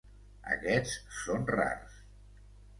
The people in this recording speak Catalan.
Aquests són rars.